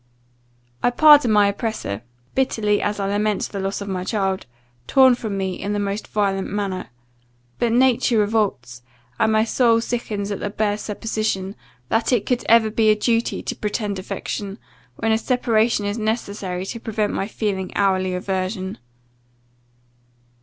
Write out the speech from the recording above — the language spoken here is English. "I pardon my oppressor bitterly as I lament the loss of my child, torn from me in the most violent manner. But nature revolts, and my soul sickens at the bare supposition, that it could ever be a duty to pretend affection, when a separation is necessary to prevent my feeling hourly aversion.